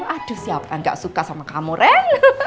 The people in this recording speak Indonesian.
aduh siapaan kak suka sama kamu ren